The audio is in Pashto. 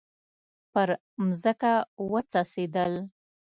پر مځکه وڅڅیدل